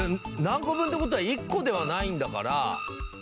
何個分って事は１個ではないんだから。